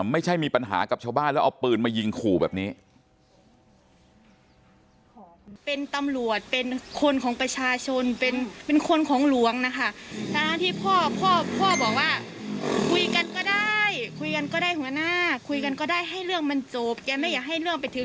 ไม่ใช่มีปัญหากับชาวบ้านแล้วเอาปืนมายิงขู่แบบนี้